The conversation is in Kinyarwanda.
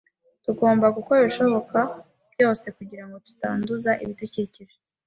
Tugomba gukora ibishoboka byose kugirango tutanduza ibidukikije.